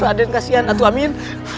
raden kasihan atu amin